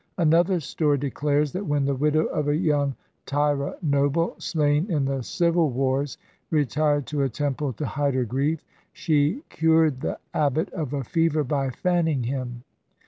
Another story declares that when the widow of a young Taira noble, slain in the civil wars, retired to a temple to hide her grief, she cured the abbot of a fever by fanning him.